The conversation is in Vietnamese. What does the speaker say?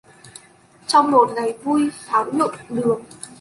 Trong một ngày vui pháo nhuộm đường